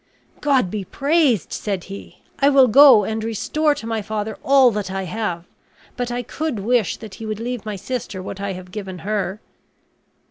"God be praised," said he, "I will go and restore to my father all that I have; but I could wish that he would leave my sister what I have given her."